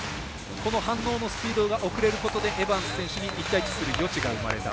この反応のスピードが遅れることでエバンス選手に１対１する余地が生まれた。